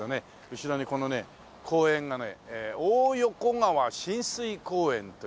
後ろにこのね公園がね大横川親水公園というね。